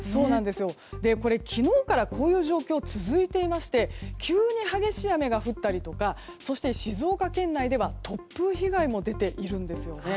昨日からこういう状況続いていまして急に激しい雨が降ったりとかそして、静岡県内では突風被害も増えているんですよね。